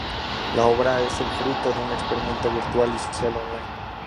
La obra es el fruto de un experimento virtual y social online.